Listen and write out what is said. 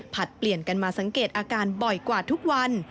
เปลี่ยนกันมาสังเกตอาการบ่อยกว่าทุกวัน